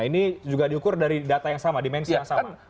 ini juga diukur dari data yang sama dimensi yang sama